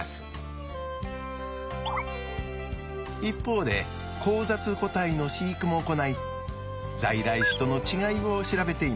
一方で交雑個体の飼育も行い在来種との違いを調べています。